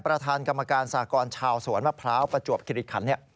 ประธานกรรมการสากรชาวสวนมะพร้าวประจวบคิริขัน